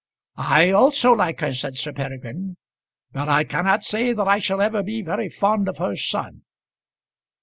"I also like her," said Sir Peregrine; "but I cannot say that I shall ever be very fond of her son."